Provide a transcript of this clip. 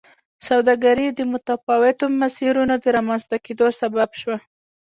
سوداګري د متفاوتو مسیرونو د رامنځته کېدو سبب شوه.